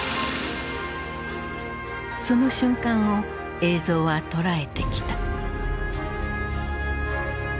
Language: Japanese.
その瞬間を映像は捉えてきた。